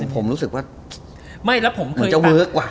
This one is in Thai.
ผมรู้สึกว่าจะเวิร์กว่ะ